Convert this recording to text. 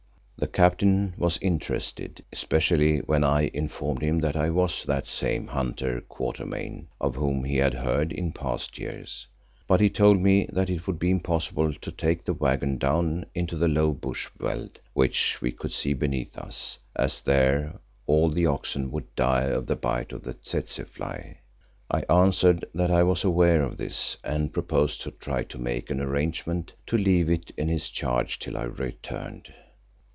The Captain was interested, especially when I informed him that I was that same "Hunter Quatermain" of whom he had heard in past years, but he told me that it would be impossible to take the waggon down into the low bush veld which we could see beneath us, as there all the oxen would die of the bite of the tsetse fly. I answered that I was aware of this and proposed to try to make an arrangement to leave it in his charge till I returned.